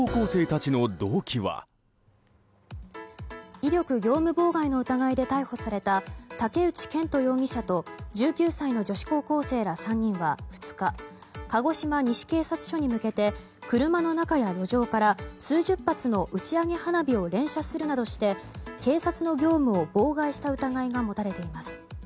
威力業務妨害の疑いで逮捕された竹内健人容疑者と１９歳の女子高校生ら５人は２日、鹿児島西警察署に向けて車の中や路上から数十発の打ち上げ花火を連射するなどして警察の業務を妨害した疑いが持たれています。